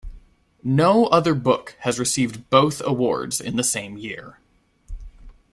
No other book has received both awards in the same year.